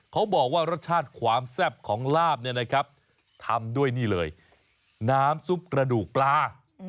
เขาบอกว่ารสชาติความแซ่บของลาบเนี่ยนะครับทำด้วยนี่เลยน้ำซุปกระดูกปลา